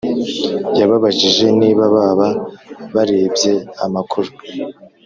yababajije niba baba barebye amakuru